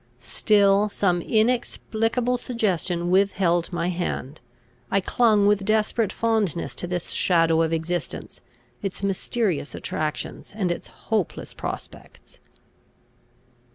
Still some inexplicable suggestion withheld my hand. I clung with desperate fondness to this shadow of existence, its mysterious attractions, and its hopeless prospects.